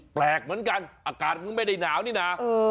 แปลกเหมือนกันอากาศก็ไม่ได้หนาวนี่นะ